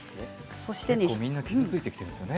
結構、みんな傷ついてきているんですね。